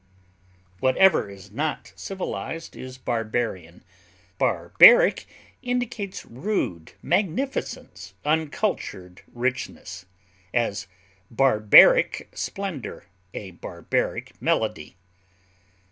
Whatever is not civilized is barbarian; barbaric indicates rude magnificence, uncultured richness; as, barbaric splendor, a barbaric melody.